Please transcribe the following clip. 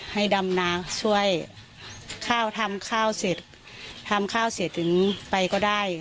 ให้ดำนาช่วยข้าวทำข้าวเสร็จทำข้าวเสร็จถึงไปก็ได้